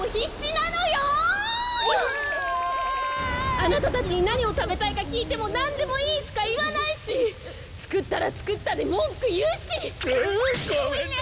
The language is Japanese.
あなたたちになにをたべたいかきいても「なんでもいい」しかいわないしつくったらつくったでもんくいうし！ごめんなさい！